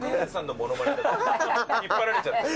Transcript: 引っ張られちゃってる。